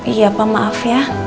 iya pak maaf ya